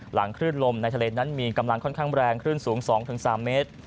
คลื่นลมในทะเลนั้นมีกำลังค่อนข้างแรงคลื่นสูง๒๓เมตร